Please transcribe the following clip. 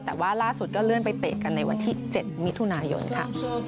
แต่ว่าล่าสุดก็เลื่อนไปเตะกันในวันที่๗มิถุนายนค่ะ